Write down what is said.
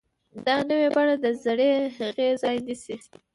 دا نوې بڼه د زړې هغې ځای نیسي.